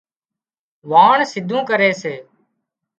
واڻ سيڌون ڪري سي